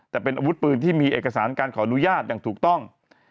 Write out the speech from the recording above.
แต่เป็นอาวุธปืนที่มีเอกสารการขออนุญาตอย่างถูกต้อง